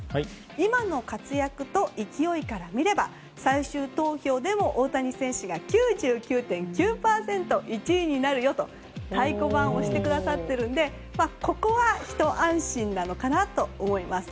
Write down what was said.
今の活躍と勢いからみれば最終投票でも大谷選手が９９．９％１位になるよと太鼓判を押してくださっているのでここは、ひと安心なのかなと思います。